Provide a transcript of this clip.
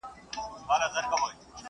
ته خپل قاتل ته ګرېوان څنګه څیرې؟!.